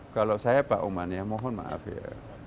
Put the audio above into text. kalau saya pak oman ya mohon maaf ya